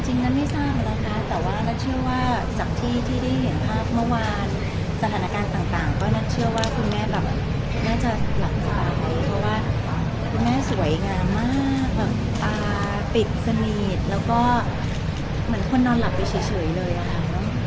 นัทไม่ทราบนะคะแต่ว่านัทเชื่อว่าจากที่ได้เห็นภาพเมื่อวานสถานการณ์ต่างก็นัทเชื่อว่าคุณแม่แบบน่าจะหลับตาเพราะว่าคุณแม่สวยงามมากแบบตาปิดสนิทแล้วก็เหมือนคนนอนหลับไปเฉยเลยอะค่ะ